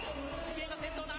池江が先頭だ。